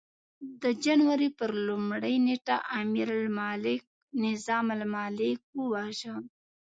د جنوري پر لومړۍ نېټه امیرالملک نظام الملک وواژه.